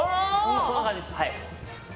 こんな感じです。